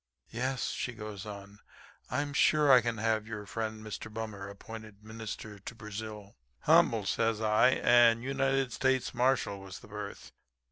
Yes,' she goes on, 'I am sure I can have your friend, Mr. Bummer, appointed Minister to Brazil.' "'Humble,' says I. 'And United States Marshal was the berth.'